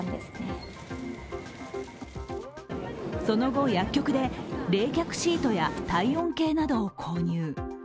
その後、薬局で冷却シートや体温計などを購入。